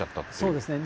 そうですね。